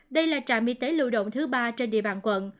đây là trạm y tế lưu động thứ ba trên địa bàn quận